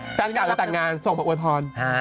สีตาเกาะในตักงานส่งมาไอ้เทอร์โปร่น